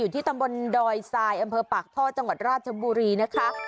ที่ตำบลดอยทรายอำเภอปากท่อจังหวัดราชบุรีนะคะ